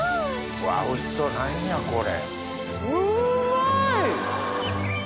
うわおいしそう何やこれ！